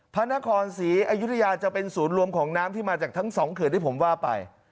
พระนครศรีอยุธยาจะเป็นศูนย์รวมของน้ำที่มาจากทั้งสองเขื่อนที่ผมว่าไป